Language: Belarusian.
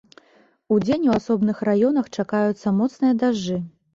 Удзень у асобных раёнах чакаюцца моцныя дажджы.